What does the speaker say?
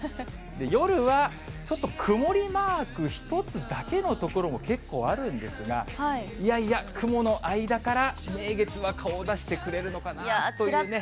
夜はちょっと曇りマーク１つだけの所も結構あるんですが、いやいや、雲の間から名月が顔を出してくれるのかなというね。